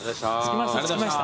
着きました